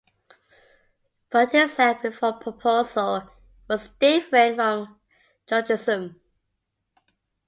But his land reform proposal was different from Georgism.